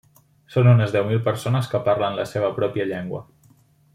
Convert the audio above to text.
Són unes deu mil persones que parlen la seva pròpia llengua.